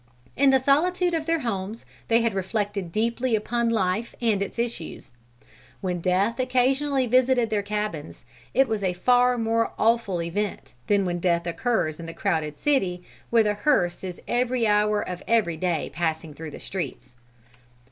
In the solitude of their homes, they had reflected deeply upon life and its issues. When death occasionally visited their cabins, it was a far more awful event than when death occurs in the crowded city, where the hearse is every hour of every day passing through the streets.